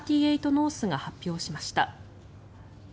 ノースが発表しました。